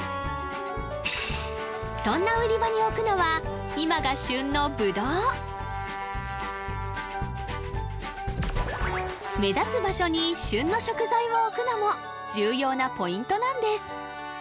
そんな売り場に置くのは目立つ場所に旬の食材を置くのも重要なポイントなんです